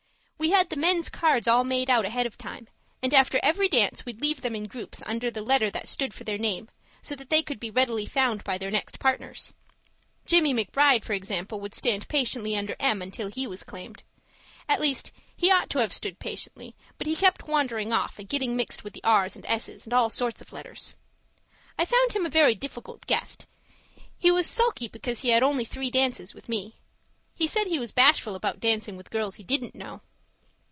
We had the men's cards all made out ahead of time, and after every dance, we'd leave them in groups, under the letter that stood for their names, so that they could be readily found by their next partners. Jimmie McBride, for example, would stand patiently under 'M' until he was claimed. (At least, he ought to have stood patiently, but he kept wandering off and getting mixed with 'R's' and 'S's' and all sorts of letters.) I found him a very difficult guest; he was sulky because he had only three dances with me. He said he was bashful about dancing with girls he didn't know!